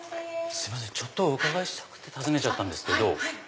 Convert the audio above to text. すいませんお伺いしたくて訪ねちゃったんですけど。